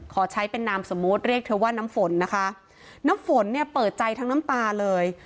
ขอใช้เป็นนามสมมุติเรียกเธอว่าน้ำฝนนะคะน้ำฝนเนี่ยเปิดใจทั้งน้ำตาเลย